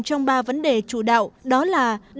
trong ba vấn đề chủ đạo đó là